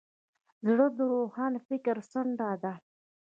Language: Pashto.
زړه د روښان فکر څنډه ده.